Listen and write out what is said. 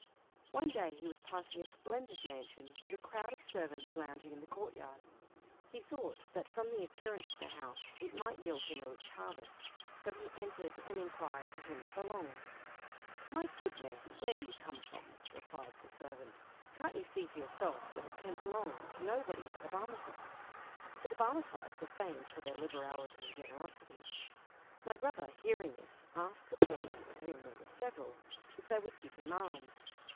One day he was passing a splendid mansion, with a crowd of servants lounging in the courtyard. He thought that from the appearance of the house it might yield him a rich harvest, so he entered and inquired to whom it belonged. "My good man, where do you come from?" replied the servant. "Can't you see for yourself that it can belong to nobody but a Barmecide?" for the Barmecides were famed for their liberality and generosity. My brother, hearing this, asked the porters, of whom there were several, if they would give him alms.